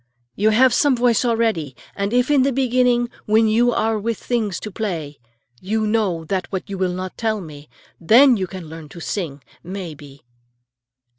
You have some voice already, and if in the beginning, when you are with things to play, you know that what you will not tell me, then you can learn to sing, may be."